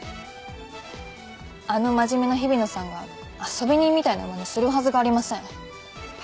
あの真面目な日比野さんが遊び人みたいなまねするはずがありません。